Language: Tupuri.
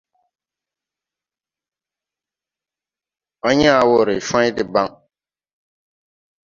À yãã wɔ ree cwãy debaŋ.